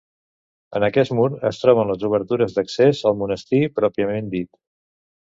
En aquest mur es troben les obertures d'accés al monestir pròpiament dit.